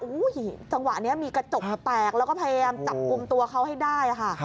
จังหวะนี้มีกระจกแตกแล้วก็พยายามจับกลุ่มตัวเขาให้ได้ค่ะ